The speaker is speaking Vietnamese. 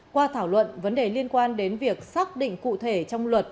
qua thảo luận vấn đề liên quan đến việc xác định cụ thể trong luật